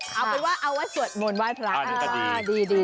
เอาเป็นว่าเอาไว้สวดมนต์ไว้พระอันนี้ก็ดี